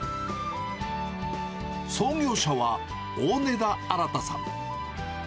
創業者は大根田新さん。